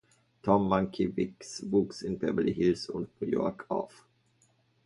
Tom Mankiewicz wuchs in Beverly Hills und New York auf.